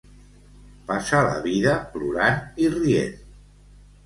Passar la vida plorant i rient.